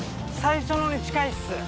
最初のに近いっす。